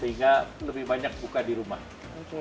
sehingga lebih banyak buka di rumah